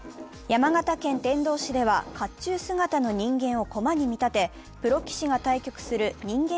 山形県天童市では、甲冑姿の人間を駒に見立てプロ棋士が対局する人間